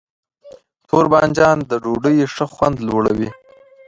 تور بانجان د ډوډۍ ښه خوند لوړوي.